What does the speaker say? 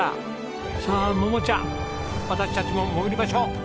さあ桃ちゃん私たちも潜りましょう！